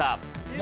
何？